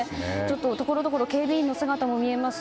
ところどころ警備員の姿も見えます。